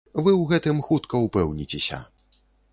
Вы ў гэтым хутка ўпэўніцеся.